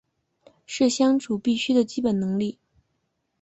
是相处必须的基本能力